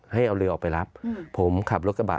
ให้เอาเรือออกไปรับผมขับรถกระบะ